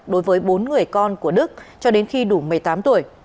đối với bốn người con của đức cho đến khi đủ một mươi tám tuổi